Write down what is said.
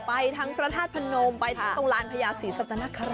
ไปทั้งประธาตุพนมไปตรงร้านพญาศิสตนคร